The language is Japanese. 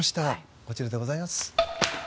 こちらでございます。